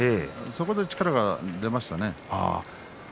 そこで力が出ましたね。